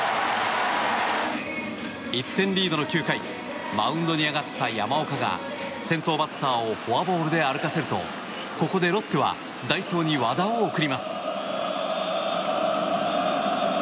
１点リードの９回マウンドに上がった山岡が先頭バッターをフォアボールで歩かせるとここでロッテは代走に和田を送ります。